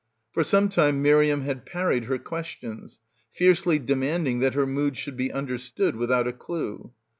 For some time Miriam had parried her questions, fiercely demanding that her mood should be understood without a clue.